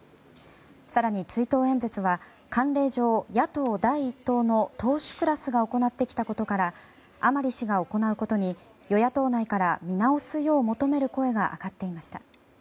更に、追悼演説は慣例上野党第１党の党首クラスが行ってきたことから甘利氏が行うことに与野党内から見直すよう求める声が上がっていました。